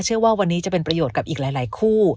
เชื่อว่าวันนี้จะเป็นประโยชน์กับอีกหลายคู่